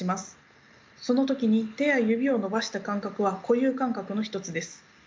その時に手や指を伸ばした感覚は固有感覚の一つです。